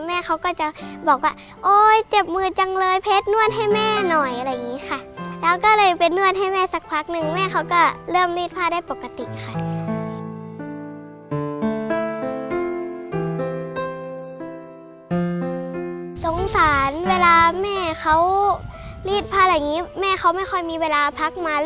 แม่เขาก็จะบอกว่าเจ็บมืดจังเลยเพจนวดให้แม่หน่อยอะไรอย่างนี้ค่ะ